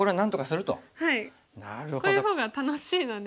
こういう方が楽しいので。